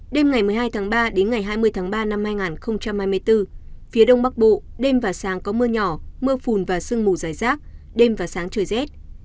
đêm ngày một mươi hai tháng ba đến ngày hai mươi tháng ba năm hai nghìn hai mươi bốn phía đông bắc bộ đêm và sáng có mưa nhỏ mưa phùn và sương mù dài rác đêm và sáng trời rét